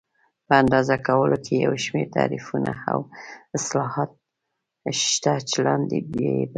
په اندازه کولو کې یو شمېر تعریفونه او اصلاحات شته چې لاندې یې بیانوو.